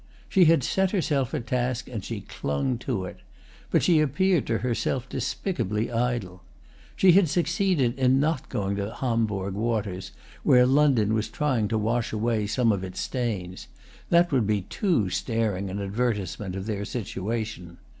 She had set herself a task and she clung to it; but she appeared to herself despicably idle. She had succeeded in not going to Homburg waters, where London was trying to wash away some of its stains; that would be too staring an advertisement of their situation.